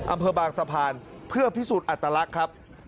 อำเภอบางสะพานเพื่อพิสูจน์อัตลักษณ์ครับ